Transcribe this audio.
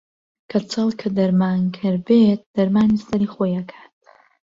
کەچەڵ کە دەرمانکەر بێت دەرمانی سەری خۆی ئەکات